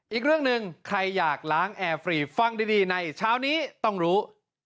อีกเรื่องหนึ่งใครอยากล้างแอร์ฟรีฟังดีในเช้านี้ต้องรู้